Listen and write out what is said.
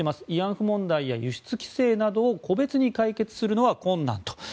慰安婦問題や輸出規制などを個別に解決するのは困難だと。